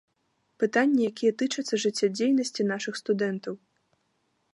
Пытанні, якія тычацца жыццядзейнасці нашых студэнтаў.